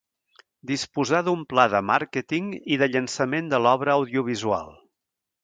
Disposar d'un pla de màrqueting i de llançament de l'obra audiovisual.